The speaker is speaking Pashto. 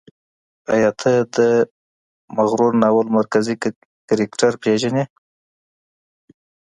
آیا ته د مفرور ناول مرکزي کرکټر پېژنې؟